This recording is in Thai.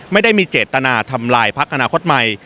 ไม่ได้มีเจตนาทำลายพักอนาคตใหม่